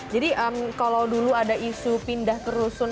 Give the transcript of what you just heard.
jadi kalau dulu ada isu pindah ke rusun